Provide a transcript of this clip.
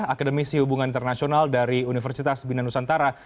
akademisi hubungan internasional dari universitas bina nusantara